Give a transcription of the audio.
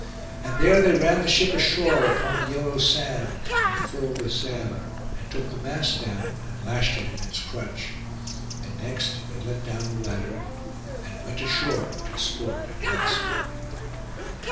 And there they ran the ship ashore upon the yellow sand, and furled the sail, and took the mast down, and lashed it in its crutch. And next they let down the ladder, and went ashore to sport and rest.